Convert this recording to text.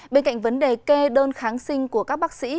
bên cạnh vấn đề kê đơn kháng sinh của các bác sĩ